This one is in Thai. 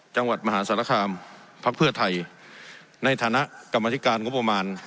จังหวัดมหาสารคามพักเพื่อไทยในฐานะกรรมธิการงบประมาณ